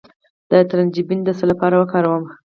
د ترنجبین د څه لپاره وکاروم؟